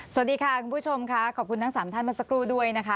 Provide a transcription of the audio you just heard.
สวัสดีค่ะคุณผู้ชมค่ะขอบคุณทั้งสามท่านเมื่อสักครู่ด้วยนะคะ